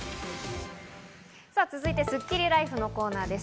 続いて、スッキリＬＩＦＥのコーナーです。